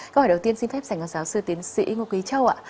câu hỏi đầu tiên xin phép dành cho giáo sư tiến sĩ ngô quý châu ạ